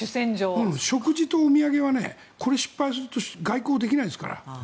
食事とお土産は失敗すると外交ができないですから。